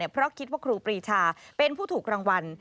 เพราะคิดว่าครูปรีชาเป็นผู้ถูกรางวัล